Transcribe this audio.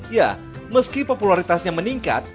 ya meski popularitasnya meningkat